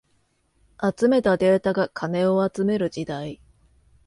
集めたデータが金を集める時代